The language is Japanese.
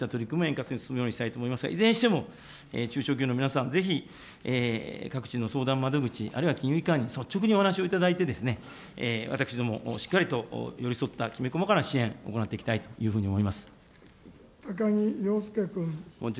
そうした取り組みを円滑に進めたいと思いますが、いずれにしても中小企業の皆さん、ぜひ各地の相談窓口、あるいは金融機関に率直にお話しをいただいて、私ども、しっかりと寄り添ったきめ細かな支援、行っていきたいというふう高木陽介君。